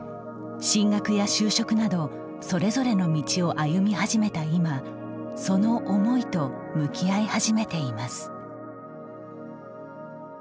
進学や就職などそれぞれの道を歩み始めた今その思いと向き合い始めています。